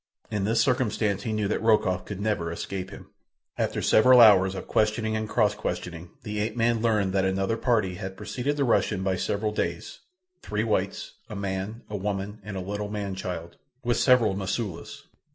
In this circumstance he knew that Rokoff could never escape him. After several hours of questioning and cross questioning the ape man learned that another party had preceded the Russian by several days—three whites—a man, a woman, and a little man child, with several Mosulas.